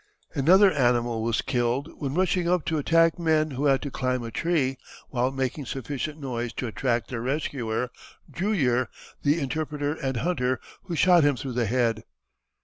Another animal was killed when rushing up to attack men who had to climb a tree, while making sufficient noise to attract their rescuer, Drewyer, the interpreter and hunter, who shot him through the head.